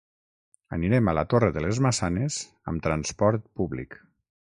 Anirem a la Torre de les Maçanes amb transport públic.